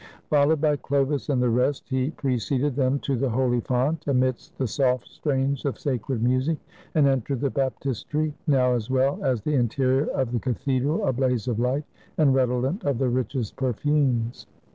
Fol lowed by Chlovis and the rest, he preceded them to the holy font, amidst the soft strains of sacred music, and entered the baptistery, now as well as the interior of the cathedral a blaze of Hght, and redolent of the richest perfumes.